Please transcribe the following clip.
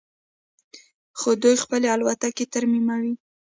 خو دوی خپلې الوتکې ترمیموي.